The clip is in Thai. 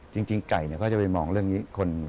จริงไก่เขาจะไปมองเรื่องนี้